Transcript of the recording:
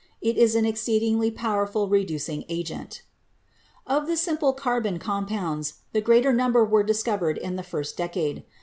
It is an exceedingly powerful reducing agent. Of the simple carbon compounds, the greater number were discovered in the first decade.